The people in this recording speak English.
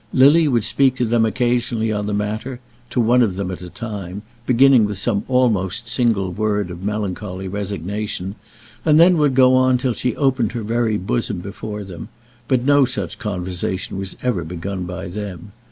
Lily would speak to them occasionally on the matter, to one of them at a time, beginning with some almost single word of melancholy resignation, and then would go on till she opened her very bosom before them; but no such conversation was ever begun by them.